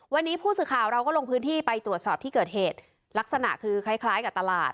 วันนี้ผู้สื่อข่าวเราก็ลงพื้นที่ไปตรวจสอบที่เกิดเหตุลักษณะคือคล้ายคล้ายกับตลาด